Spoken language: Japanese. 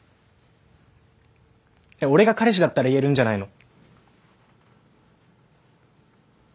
俺が彼氏だったら言えるんじゃないの？